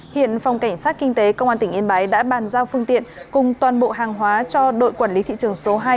hiện phòng cảnh sát kinh tế công an tỉnh yên bái đã bàn giao phương tiện cùng toàn bộ hàng hóa cho đội quản lý thị trường số hai